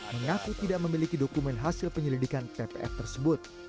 mengaku tidak memiliki dokumen hasil penyelidikan tpf tersebut